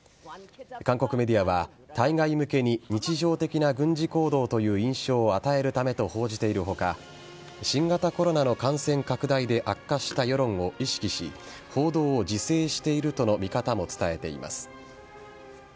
韓国メディアは対外向けに日常的な軍事行動という印象を与えるためと報じている他新型コロナの感染拡大で悪化した世論を意識し報道を自制しているとの見方も伝えています。